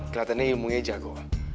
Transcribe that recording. kelatannya ilmunya jago